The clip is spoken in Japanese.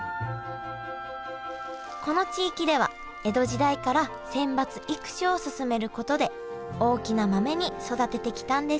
この地域では江戸時代から選抜育種を進めることで大きな豆に育ててきたんです